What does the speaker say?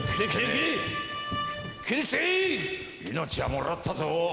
命はもらったぞ。